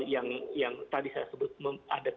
yang tadi saya sebut